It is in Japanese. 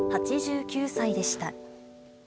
８９歳でした。